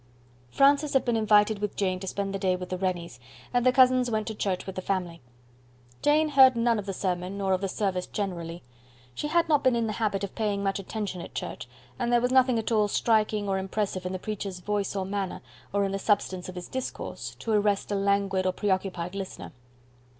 Francis had been invited with Jane to spend the day with the Rennies, and the cousins went to church with the family. Jane heard none of the sermon nor of the service generally. She had not been in the habit of paying much attention at church, and there was nothing at all striking or impressive in the preacher's voice or manner, or in the substance of his discourse, to arrest a languid or preoccupied listener.